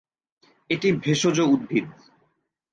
এটি ভেষজ উদ্ভিদ।